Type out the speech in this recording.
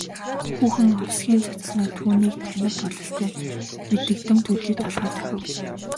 Хүүхэн овсхийн цочсоноо түүнийг танив бололтой мэдэгдэм төдий толгой дохив.